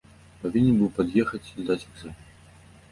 Павінен быў пад'ехаць, здаць экзамен.